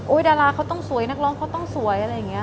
ดาราเขาต้องสวยนักร้องเขาต้องสวยอะไรอย่างนี้